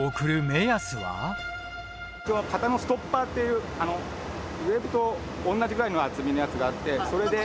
型のストッパーっていうレールと同じぐらいの厚みのやつがあってそれで。